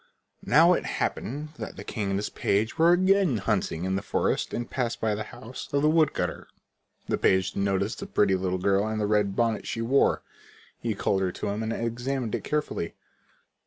Now it happened that the king and his page were again hunting in the forest and passed by the house of the wood cutter. The page noticed the pretty little girl and the red bonnet she wore. He called her to him and examined it carefully.